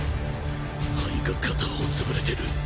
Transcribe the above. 肺が片方潰れてる！